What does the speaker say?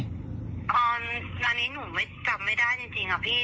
อ๋อตอนนี้หนูจำไม่ได้จริงครับพี่